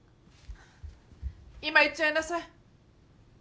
今言っちゃいなさい。